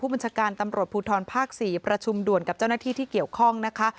บัญชาการตำรวจภูทรภาค๔ประชุมด่วนกับเจ้าหน้าที่ที่เกี่ยวข้องนะคะ